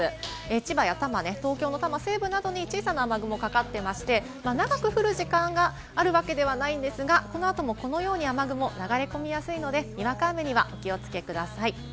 千葉や多摩西部などは小さな雨雲がかかっていて、長く降る時間があるわけではないですが、この後もこのように雨雲が流れ込みやすいので、にわか雨にはお気をつけください。